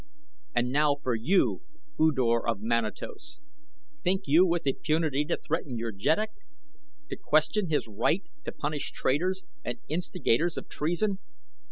"And now for you, U Thor of Manatos! Think you with impunity to threaten your jeddak to question his right to punish traitors and instigators of treason?